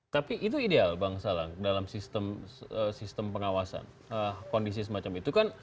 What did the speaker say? tapi itu ideal bang salang dalam sistem pengawasan kondisi semacam itu kan